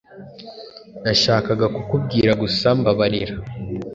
Nashakaga kukubwira gusa mbabarira.